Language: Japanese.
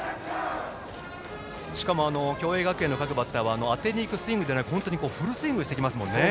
しかも共栄学園の各バッターは当てにいくスイングではなくフルスイングしてきますもんね。